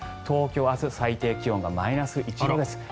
東京、明日最低気温がマイナス１度です。